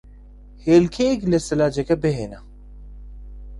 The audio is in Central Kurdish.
هێلکەیەک لە سەلاجەکە بھێنە.